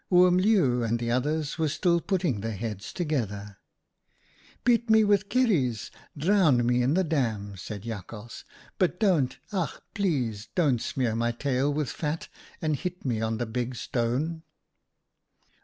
" Oom Leeuw and the others were still putting their heads together. "' Beat me with kieries, drown me in the dam,' said Jakhals, 'but don't, ach! please don't smear my tail with fat and hit me on the big stone.'